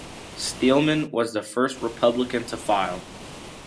Steelman was the first Republican to file.